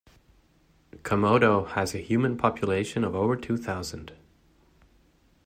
Komodo has a human population of over two thousand.